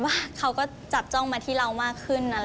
ว่าเขาก็จัดจ้องมาที่เรามากขึ้น